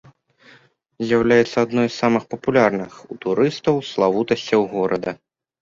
З'яўляецца адной з самых папулярных у турыстаў славутасцяў горада.